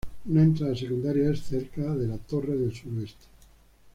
Una entrada secundaria es cerca la torre de suroeste.